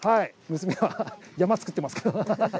娘は山作ってますけど。